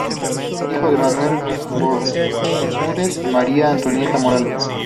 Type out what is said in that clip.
Hijo de Manuel Bermúdez y María Antonia Morales.